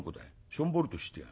しょんぼりとして。